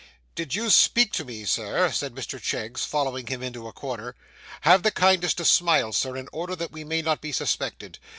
'Did you speak to me, sir?' said Mr Cheggs, following him into a corner. 'Have the kindness to smile, sir, in order that we may not be suspected.